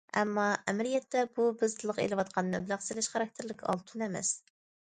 ئەمما ئەمەلىيەتتە بۇ بىز تىلغا ئېلىۋاتقان مەبلەغ سېلىش خاراكتېرلىك ئالتۇن ئەمەس.